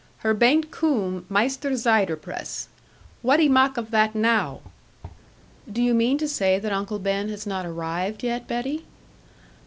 Her baint coom, Maister Ziderpress. Whatt'e mak of that now?' 'Do you mean to say that Uncle Ben has not arrived yet, Betty?'